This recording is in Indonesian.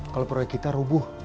kalo proyek kita rubuh